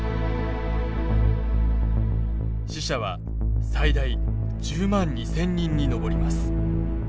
死者は最大１０万２，０００人に上ります。